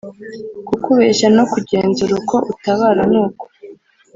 kukubeshya no kugenzura uko utabara n uko